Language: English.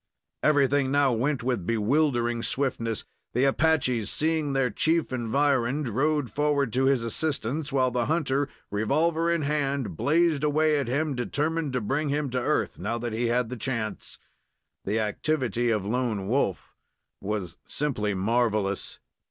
Everything now went with bewildering swiftness. The Apaches, seeing their chief environed, rode forward to his assistance, while the hunter, revolver in hand, blazed away at him, determined to bring him to earth, now that he had the chance. The activity of Lone Wolf was simply marvelous.